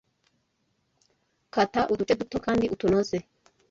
Kata uduce duto kandi utunoze